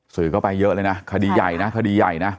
สื่อก็ไปเยอะเลยนะคดีใหญ่นะคดีใหญ่นะ